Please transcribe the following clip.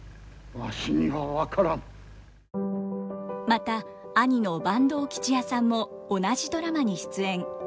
また兄の坂東吉弥さんも同じドラマに出演。